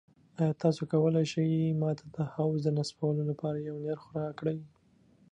ایا تاسو کولی شئ ما ته د حوض د نصبولو لپاره یو نرخ راکړئ؟